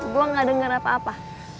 gue gak denger apa apa